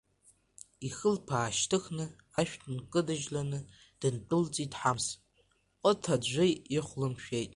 Ихылԥа аашьҭыхны, ашә нкыдыжьланы дындәылҵит Ҳамс, ҟыт аӡәы ихәлымшәеит.